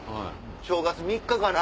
正月３日かな